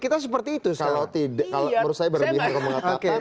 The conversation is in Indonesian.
kalau tidak menurut saya berbeda